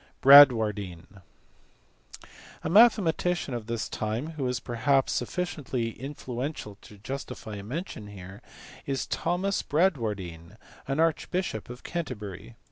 Bradwardine*. A mathematician of this time, who was perhaps sufficiently influential to justify a mention here, is Thomas Bradivardine, archbishop of Canterbury.